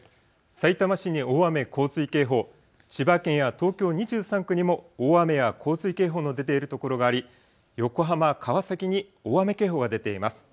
さいたま市に大雨洪水警報、千葉県や東京２３区にも大雨や洪水警報の出ているところがあり横浜、川崎に大雨警報が出ています。